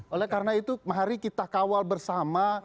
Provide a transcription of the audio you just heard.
oleh karena itu mari kita kawal bersama